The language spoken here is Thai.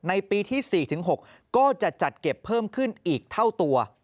ในปีที่๔๖ก็จะจัดเก็บเพิ่มขึ้นอีกเท่าตัว